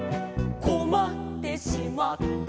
「こまってしまって」